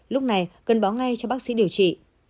lúc này cần báo ngay cho bác sĩ điều trị